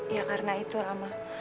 iya karena itu rama